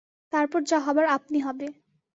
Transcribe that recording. তারপর যা হবার আপনি হবে।